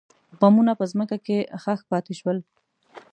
بمونه په ځمکه کې ښخ پاتې شول.